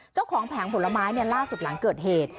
แผงผลไม้ล่าสุดหลังเกิดเหตุ